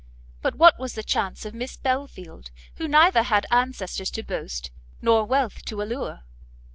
But what was the chance of Miss Belfield, who neither had ancestors to boast, nor wealth to allure?